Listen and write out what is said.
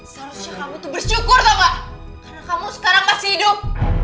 seharusnya kamu tuh bersyukur kok gak karena kamu sekarang masih hidup